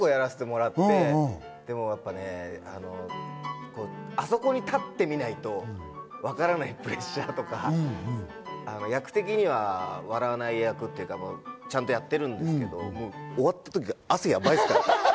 去年６月ぐらいから、ちょこちょこやらせてもらって、あそこに立ってみないとわからないプレッシャーとか、役的には笑わない役というか、ちゃんとやってるんですけど、終わったとき汗がやばいですからね。